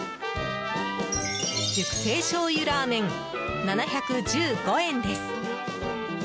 熟成醤油ラーメン、７１５円です。